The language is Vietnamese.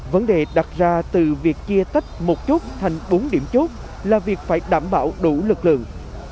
vấn đề đặt ra từ việc chia tách một chút thành bốn điểm chốt là việc phải đảm bảo đủ lực lượng